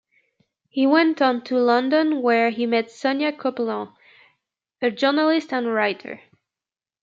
He went on to London where he met Sonia Copeland, a journalist and writer.